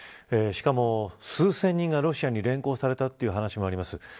しかも数千人がロシアに連行されたという話もあります。